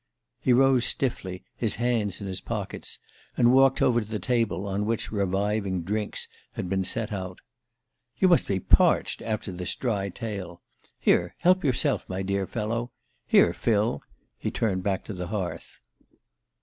He rose stiffly, his hands in his pockets, and walked over to the table on which reviving drinks had been set out. "You must be parched after this dry tale. Here, help yourself, my dear fellow. Here, Phil " He turned back to the hearth.